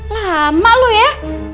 lama lu ya